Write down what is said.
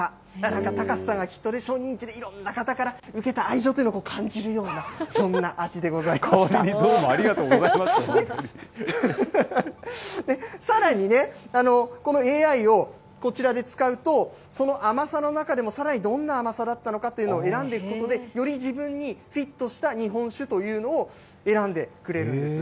なんか高瀬さんがきっとね、就任地でいろんな方から受けた愛情というのを感じるような、そん代わりにどうもありがとうごさらにね、このＡＩをこちらで使うと、その甘さの中でもさらにどんな甘さだったのかというのを選んでいくことで、より自分にフィットした日本酒というのを選んでくれるんです。